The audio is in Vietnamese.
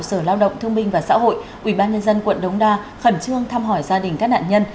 sở lao động thương minh và xã hội ubnd quận đống đa khẩn trương thăm hỏi gia đình các nạn nhân